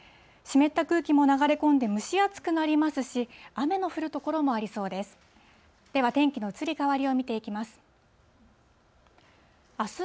湿った空気も流れ込んで、蒸し暑くなりますし、雨の降る所もありそうです。